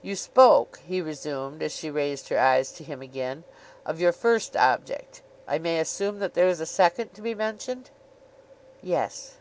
'You spoke,' he resumed, as she raised her eyes to him again, 'of your first object. I may assume that there is a second to be mentioned?' 'Yes.